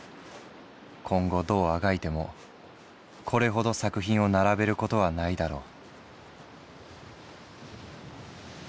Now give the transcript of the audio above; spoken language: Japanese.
今後どうあがいてもこれほど作品を並べることはないだろう」。